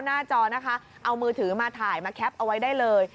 หน้าจอนะคะเอามือถือมาถ่ายมาแคปเอาไว้ได้เลย